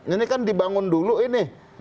ini kan dibangun dulu ini